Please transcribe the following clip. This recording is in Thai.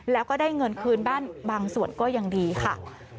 แล้วก็ได้เงินคืนบ้านบางส่วนก็ยังดีค่ะ